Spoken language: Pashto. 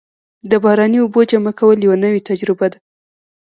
د باراني اوبو جمع کول یوه نوې تجربه ده.